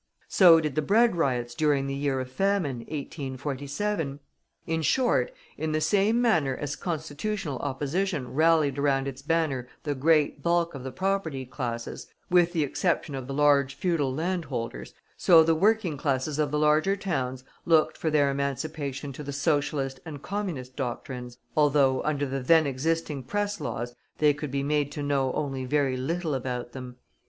So did the bread riots during the year of famine, 1847. In short, in the same manner as Constitutional Opposition rallied around its banner the great bulk of the propertied classes (with the exception of the large feudal land holders), so the working classes of the larger towns looked for their emancipation to the Socialist and Communist doctrines, although, under the then existing Press laws, they could be made to know only very little about them.